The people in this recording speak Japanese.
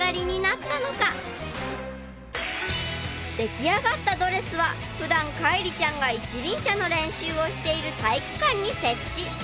［出来上がったドレスは普段海璃ちゃんが一輪車の練習をしている体育館に設置］